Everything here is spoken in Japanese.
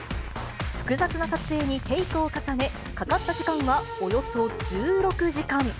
複雑な撮影にテイクを重ね、かかった時間はおよそ１６時間。